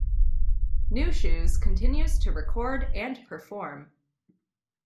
Nu Shooz continues to record and perform.